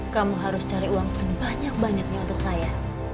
kamu harus cari uang sebanyak banyaknya untuk saya